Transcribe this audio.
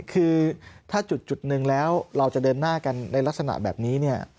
คือถ้าจุดหนึ่งแล้วเราจะเดินหน้ากันในลักษณะแบบนี้เนี่ย